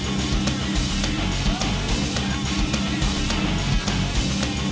tadinya gue mainin getrek umum